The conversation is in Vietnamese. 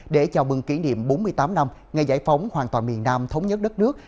để chào mừng kỷ niệm bốn mươi tám năm ngày giải phóng hoàn toàn miền nam thống nhất đất nước